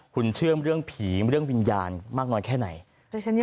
คุณเชื่อมเรื่องผีเรื่องวิญญาณมากน้อยแค่ไหน